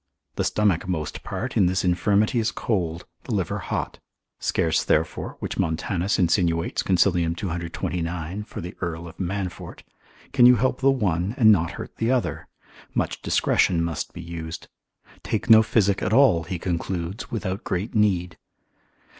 The stomach most part in this infirmity is cold, the liver hot; scarce therefore (which Montanus insinuates consil. 229. for the Earl of Manfort) can you help the one and not hurt the other: much discretion must be used; take no physic at all he concludes without great need.